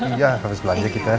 iya habis belanja kita